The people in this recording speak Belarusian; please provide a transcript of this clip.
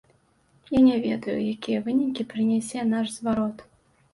Я не ведаю, якія вынікі прынясе наш зварот.